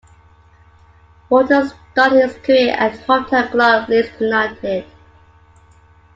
Walton started his career at hometown club Leeds United.